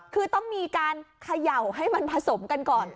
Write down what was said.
คือต้องมีการเขย่าให้มันผสมกันก่อน